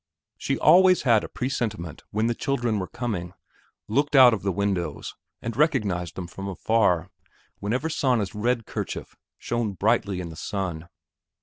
She always had a presentiment when the children were coming, looked out of the windows, and recognized them from afar, whenever Sanna's red kerchief shone brightly in the sun.